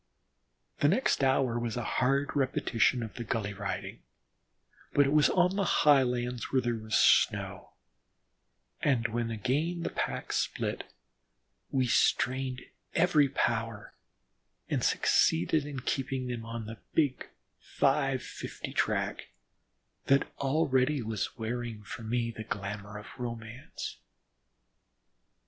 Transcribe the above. The next hour was a hard repetition of the gully riding, but it was on the highlands where there was snow, and when again the pack was split, we strained every power and succeeded in keeping them on the big "five fifty track," that already was wearing for me the glamour of romance.